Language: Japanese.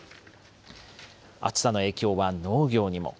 暑さの影響は農業にも。